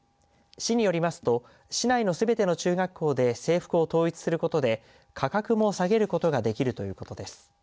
市によりますと市内のすべての中学校で制服を統一することで価格も下げることができるということです。